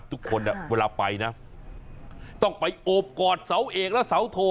ทุกคนเวลาไปนะต้องไปโอบกอดเสาเอกและเสาโท